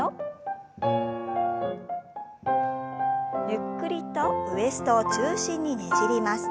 ゆっくりとウエストを中心にねじります。